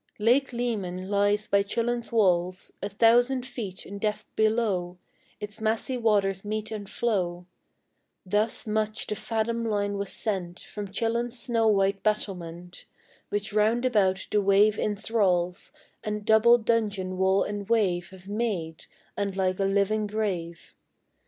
Lake Leman lies by Chillon's walls: A thousand feet in depth below Its massy waters meet and flow; Thus much the fathom line was sent From Chillon's snow white battlement, Which round about the wave inthralls; And double dungeon wall and wave Have made, and like a living grave.